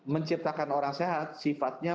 menciptakan orang sehat sifatnya